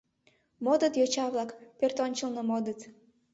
«Модыт йоча-влак, пӧрт ончылно модыт...»